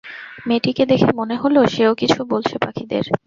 মেয়েটিকে দেখে মনে হল, সেও কিছু বলছে পাখিদের।